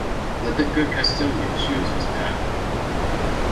Let the good Castillian choose his path.